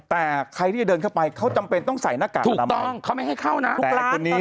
แต่ใครที่จะเดินเข้าไปเขาจำเป็นต้องใส่หน้ากากถูกต้องเขาไม่ให้เข้านะทุกคนนี้